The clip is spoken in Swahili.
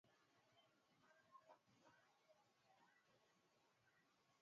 salat ina maneno yake na namna ya kusimama na kuinama